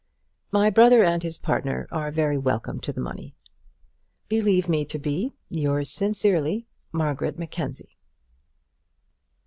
My brother and his partner are very welcome to the money. Believe me to be, Yours sincerely, MARGARET MACKENZIE.